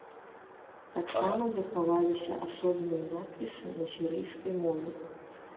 Таксама захаваліся асобныя надпісы на сірыйскай мове.